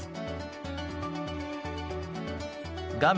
画面